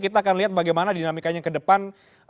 kita akan lihat bagaimana dinamikanya ke depan